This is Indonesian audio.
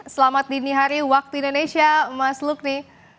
selamat dini hari waktu indonesia mas lukni